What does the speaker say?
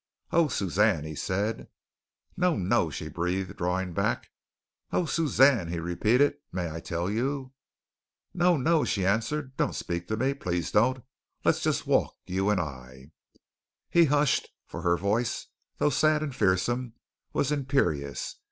"Oh, Suzanne," he said. "No, no," she breathed, drawing back. "Oh, Suzanne," he repeated, "may I tell you?" "No, no," she answered. "Don't speak to me. Please don't. Let's just walk. You and I." He hushed, for her voice, though sad and fearsome, was imperious.